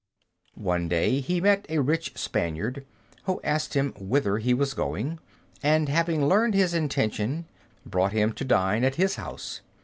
One day he met a rich Spaniard, who asked him whither he was going, and having learned his intention, brought him to dine at his house.